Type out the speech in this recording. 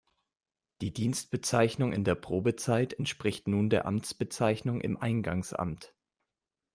Die Dienstbezeichnung in der Probezeit entspricht nun der Amtsbezeichnung im Eingangsamt.